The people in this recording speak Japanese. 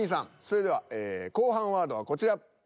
それでは後半ワードはこちら。